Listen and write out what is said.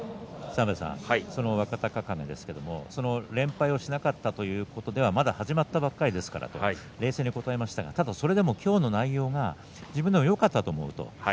その若隆景ですけれども連敗はしなかったということはまだ始まったばかりですから冷静に答えましたがそれでも今日の内容は自分でもよかったと思うと。